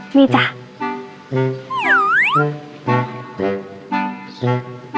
มีจ้ะ